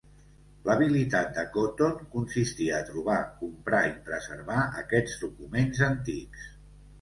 L'habilitat de Cotton consistia a trobar, comprar i preservar aquests documents antics.